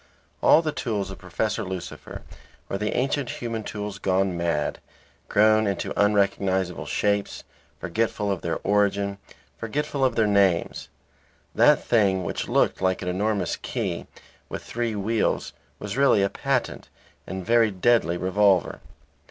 All the tools of Professor Lucifer were the ancient human tools gone mad, grown into unrecognizable shapes, forgetful of their origin, forgetful of their names. That thing which looked like an enormous key with three wheels was really a patent and very deadly revolver.